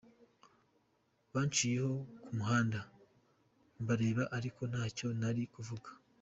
Banciyeho ku muhanda mbareba ariko ntacyo nari kuvuga.